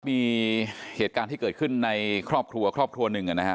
มีเหตุการณ์ที่เกิดขึ้นในครอบครัวครอบครัวหนึ่งนะครับ